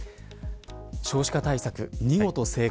少子化対策、見事成功。